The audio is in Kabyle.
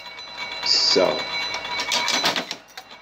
Ttesseɣ.